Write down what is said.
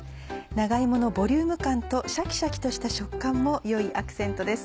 長芋のボリューム感とシャキシャキとした食感もよいアクセントです。